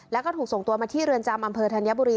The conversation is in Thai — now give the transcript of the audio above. แล้วก็ถูกส่งตัวมาที่เรือนจำอำเภอธัญบุรี